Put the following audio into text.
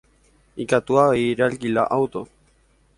Ikatu avei realquila auto.